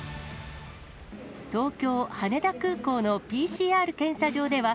東京・羽田空港のＰＣＲ検査場では。